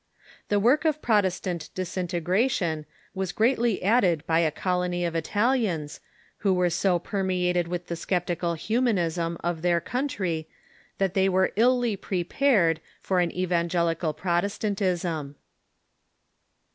The work of Protestant disin tegration was greatly aided by a colonj^ of Italians, who were 80 permeated with the sceptical Humanism of their country that they were illy prepared for an evangelical Protestantism.